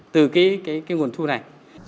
từ cái nguồn thu này